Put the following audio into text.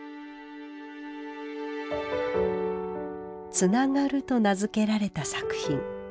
「つながる」と名付けられた作品。